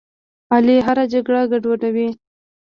علي هره جرګه ګډوډوي.